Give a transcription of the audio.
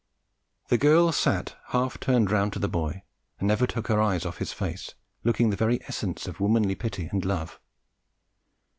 The girl sat half turned round to the boy and never took her eyes off his face, looking the very essence of womanly pity and love.